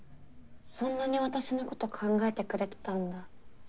そんなに私のこと考えてくれてたんだ。